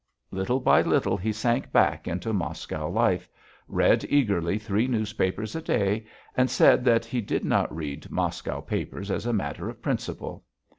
Little by little he sank back into Moscow life, read eagerly three newspapers a day, and said that he did not read Moscow papers as a matter of principle.